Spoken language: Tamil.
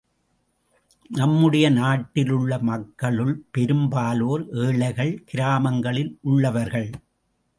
நம்முடைய நாட்டிலுள்ள மக்களுள் பெரும் பாலோர் ஏழைகள், கிராமங்களில் உள்ளவர்கள்.